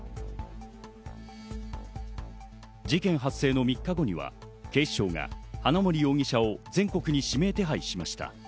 事件発生の３日後には警視庁が花森容疑者を全国に指名手配しました。